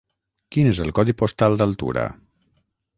Quin és el codi postal d'Altura?